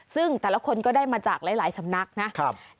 ซึ่งแต่ละคนก็ได้มาจากหลายสำนักนะครับ